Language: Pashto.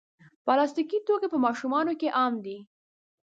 پلاستيکي توکي په ماشومانو کې عام دي.